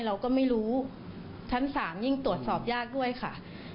เราก็ไม่รู้ชั้น๓ยิ่งตรวจสอบยากด้วยค่ะ